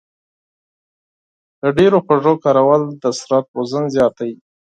د ډېرو خوږو کارول د بدن وزن زیاتوي.